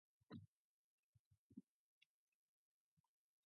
There are also tennis courts and a gymnasium.